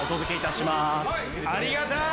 ありがたい！